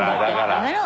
やめろよ